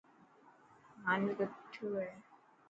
مانوڪ اٿيو هو.